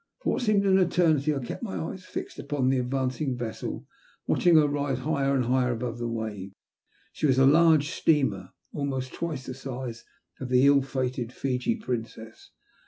For what seemed an eternity I kept my eyes fixed upon the advancing vessel, watching her rise higher and higher above the waves. She was a large steamer, almost twice the size of the ill fated Fiji Princess.